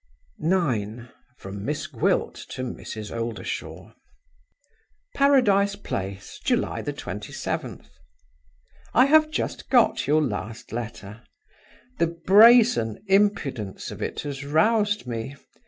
9. From Miss Gwilt to Mrs. Oldershaw. "Paradise Place, July 27th. "I have just got your last letter. The brazen impudence of it has roused me.